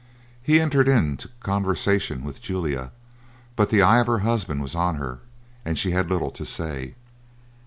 He entered into conversation with Julia, but the eye of her husband was on her, and she had little to say.